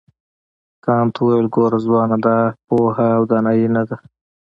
کانت وویل ګوره ځوانه دا پوهه او دانایي نه ده.